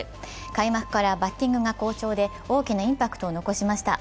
開幕からバッティングが好調で大きなインパクトを残しました。